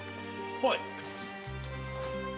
はい。